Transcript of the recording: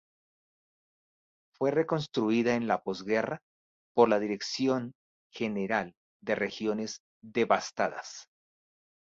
Fue reconstruida en la posguerra por la Dirección General de Regiones Devastadas.